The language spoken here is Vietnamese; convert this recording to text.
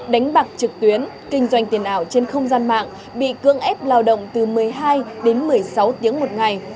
đánh bạc trực tuyến kinh doanh tiền ảo trên không gian mạng bị cưỡng ép lao động từ một mươi hai đến một mươi sáu tiếng một ngày